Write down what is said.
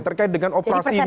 terkait dengan operasi militer